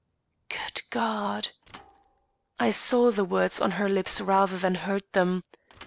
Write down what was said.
"Good God!" I saw the words on her lips rather than heard them.